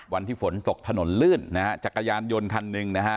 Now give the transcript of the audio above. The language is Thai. วันที่ฝนตกถนนลื่นนะฮะจักรยานยนต์คันหนึ่งนะฮะ